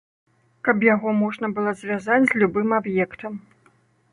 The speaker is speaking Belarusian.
Каб яго можна было звязаць з любым аб'ектам.